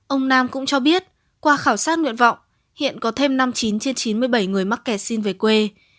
ông nam cũng cho biết qua khảo sát nguyện vọng hiện có thêm năm mươi chín trên chín mươi bảy người mắc kẹt xin về quê